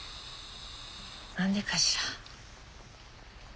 何でかしら。